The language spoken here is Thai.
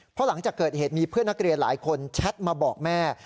เพราะหลังจากเกิดเหตุมีเพื่อนนักเรียนหลายคนแชทมาบอกแม่